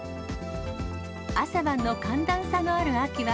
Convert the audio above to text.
朝晩の寒暖差のある秋は、